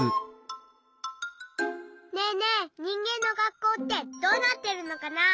ねえねえにんげんの学校ってどうなってるのかな？